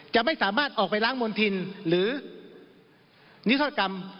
จะไม่สามารถออกไปล้างมณฑินหรือนิทธรกรรม